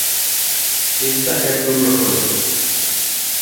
Be bisât kɛ tu ɔ ho blɔfuɛ.